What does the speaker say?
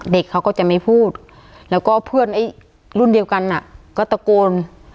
เด็กเขาก็จะไม่พูดแล้วก็เพื่อนไอ้รุ่นเดียวกันก็ตะโกน